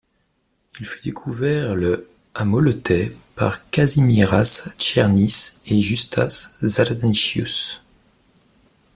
Il fut découvert le à Moletai par Kazimieras Černis et Justas Zdanavičius.